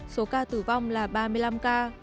số ca tử vong là ba mươi năm ca